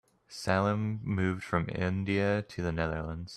Salim moved from India to the Netherlands.